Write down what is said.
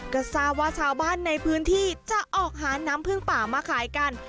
ก็ทราบว่าชาวบ้านในพื้นที่จะออกหาน้ำพึ่งป่ามาขายกัน